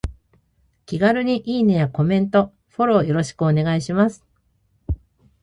気軽にいいねやコメント、フォローよろしくお願いします。